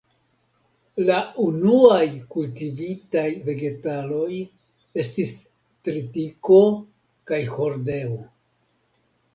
La unuaj kultivitaj vegetaloj estis tritiko kaj hordeo.